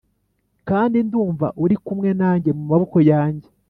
kandi ndumva uri kumwe nanjye mumaboko yanjye